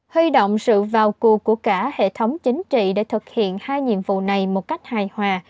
huy động sự vào cua của cả hệ thống chính trị để thực hiện hai nhiệm vụ này một cách hài hòa